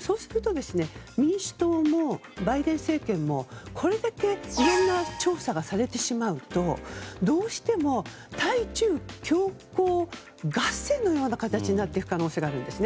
そうすると民主党もバイデン政権もこれだけいろんな調査がされてしまうとどうしても対中強硬合戦のような形になっていく可能性があるんですね。